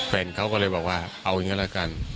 แฟนเขาก็เลยบอกว่าเอาอย่างนี้ละกัน